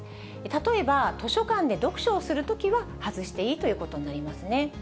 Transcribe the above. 例えば図書館で読書をするときは、外していいということになりますね。